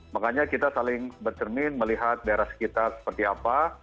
makanya kita saling bercermin melihat daerah sekitar seperti apa